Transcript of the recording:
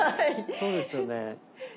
そうですよね。